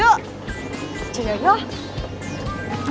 susumur itu mengandung potasium cu